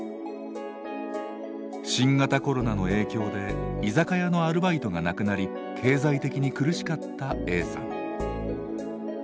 新型コロナの影響で居酒屋のアルバイトがなくなり経済的に苦しかったＡさん。